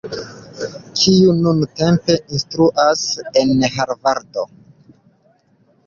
kiu nuntempe instruas en Harvardo.